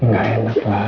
ini gak enak lah